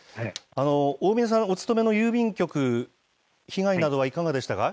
大嶺さんがお勤めの郵便局、被害などはいかがでしたか。